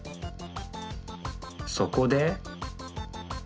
そこで。